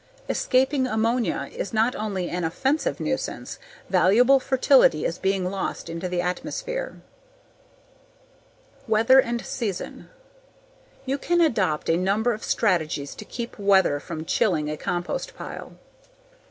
Escaping ammonia is not only an offensive nuisance, valuable fertility is being lost into the atmosphere. _Weather and season. _You can adopt a number of strategies to keep weather from chilling a compost pile.